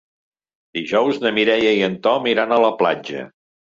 Dijous na Mireia i en Tom iran a la platja.